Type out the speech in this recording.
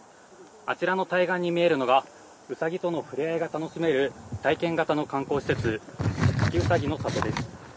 あちらの対岸に見えるのがうさぎとの触れ合いが楽しめる体験型の観光施設、月うさぎの里です。